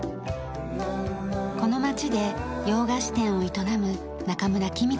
この町で洋菓子店を営む中村公子さん。